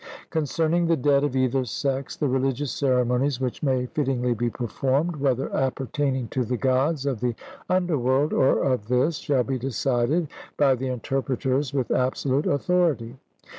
Concerning the dead of either sex, the religious ceremonies which may fittingly be performed, whether appertaining to the Gods of the under world or of this, shall be decided by the interpreters with absolute authority.